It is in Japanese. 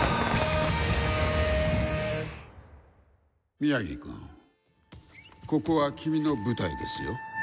宮城君ここは君の舞台ですよ。